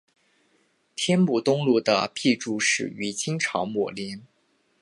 天目东路的辟筑始于清朝末年。